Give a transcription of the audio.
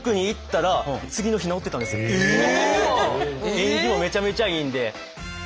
縁起もめちゃめちゃいいんで。